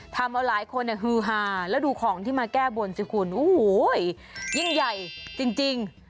ทำเอาหลายคนฮือฮาแล้วดูของที่มาแก้บนสิคุณโอ้โหยิ่งใหญ่จริง